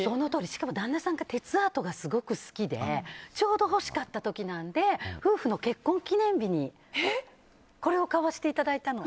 しかも旦那さんが鉄アートがすごく好きでちょうど欲しかった時なので夫婦の結婚記念日にこれを買わせていただいたの。